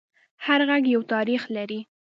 هر غږ یو تاریخ لري